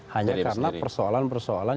hanya karena persoalan persoalan